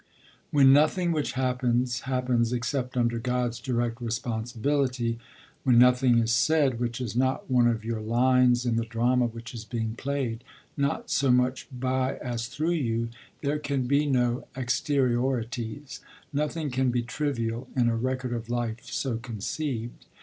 When nothing which happens, happens except under God's direct responsibility, when nothing is said which is not one of your 'lines' in the drama which is being played, not so much by as through you, there can be no exteriorities, nothing can be trivial, in a record of life so conceived.